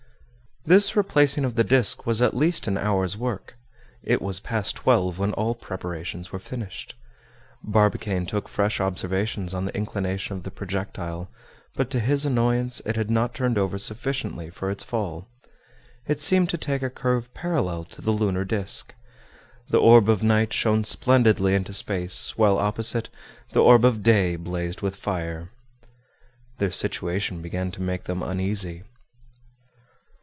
This replacing of the disc was at least an hour's work. It was past twelve when all preparations were finished. Barbicane took fresh observations on the inclination of the projectile, but to his annoyance it had not turned over sufficiently for its fall; it seemed to take a curve parallel to the lunar disc. The orb of night shone splendidly into space, while opposite, the orb of day blazed with fire. Their situation began to make them uneasy.